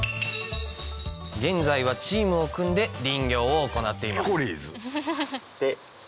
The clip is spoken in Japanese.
現在はチームを組んで林業を行っています